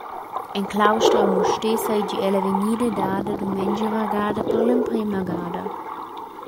En claustra a Mustér seigi ella vegnida dada dumengia vargada per l’emprema gada.